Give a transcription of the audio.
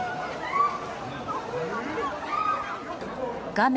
画面